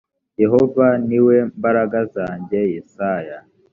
yehova ni we mbaraga zanjye yesaya